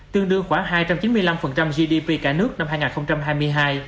tương đương khoảng hai trăm chín mươi năm gdp cả nước năm hai nghìn hai mươi hai